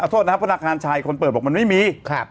ทดนะครับพนักงานทรายก็คุณเปิดบอกว่ามันไม่มีครับ